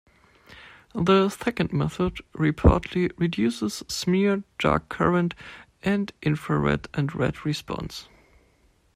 This second method, reportedly, reduces smear, dark current, and infrared and red response.